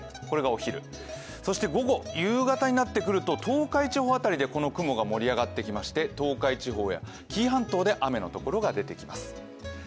これがお昼、そして午後、夕方になってくると東海地方辺りでこの雲が盛り上がってきまして東海地方や紀伊半島で雨のところが出てきます。